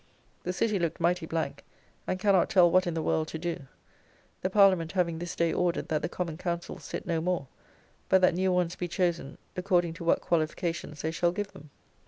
The City look mighty blank, and cannot tell what in the world to do; the Parliament having this day ordered that the Common council sit no more; but that new ones be chosen according to what qualifications they shall give them.